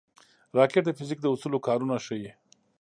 راکټ د فزیک د اصولو کارونه ښيي